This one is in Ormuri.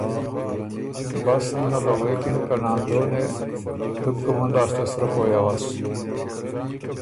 بس اُنه له غوېکِن که ناندونې! تُو بو کُومُن لاسته سرۀ پویٛ اؤس،